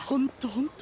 本当。